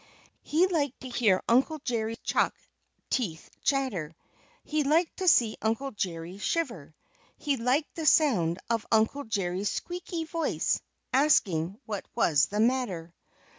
He liked to hear Uncle Jerry Chuck's teeth chatter; he liked to see Uncle Jerry shiver; he liked the sound of Uncle Jerry's squeaky voice asking what was the matter.